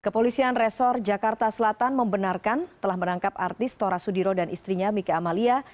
kepolisian resor jakarta selatan membenarkan telah menangkap artis tora sudiro dan istrinya mika amalia